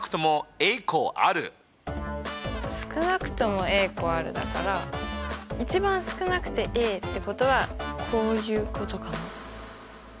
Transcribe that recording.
少なくとも個あるだから一番少なくてってことはこういうことかな。